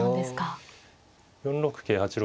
４六桂８六